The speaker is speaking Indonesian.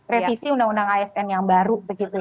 revisi undang undang asn yang baru